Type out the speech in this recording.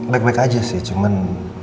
baik baik aja sih cuman